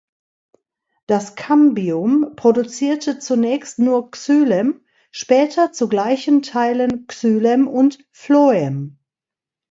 Das Kambium produzierte zunächst nur Xylem, später zu gleichen Teilen Xylem und Phloem.